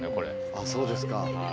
あっそうですか。